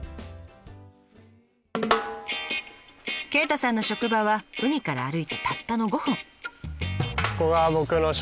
鯨太さんの職場は海から歩いてたったの５分。